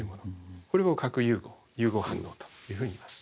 これを核融合融合反応というふうにいいます。